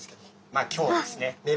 まっ今日はですね